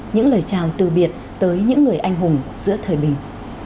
những lời chào từ biệt tới những người anh hùng giữa thời bình